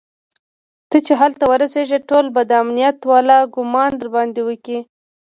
ته چې هلته ورسېږي ټول به د امنيت والا ګومان درباندې وکړي.